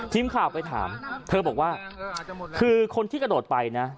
ทีมข่าวไปถามเธอบอกว่าคือคนที่กระโดดไปนะ